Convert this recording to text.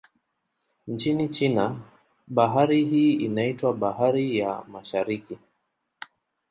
Nchini China, bahari hii inaitwa Bahari ya Mashariki.